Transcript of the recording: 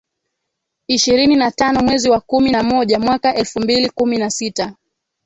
Ishirini na tano mwezi wa kumi na moja mwaka elfu mbili kumi na sita